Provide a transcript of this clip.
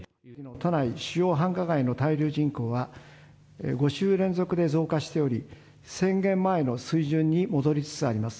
都内主要繁華街の滞留人口は、５週連続で増加しており、宣言前の水準に戻りつつあります。